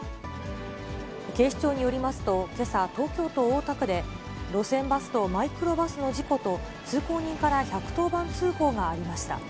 警視庁によりますと、けさ、東京都大田区で、路線バスとマイクロバスの事故と、通行人から１１０番通報がありました。